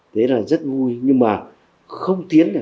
đấy là rất vui nhưng mà không tiến cả